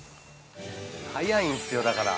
早いんすよ、だから。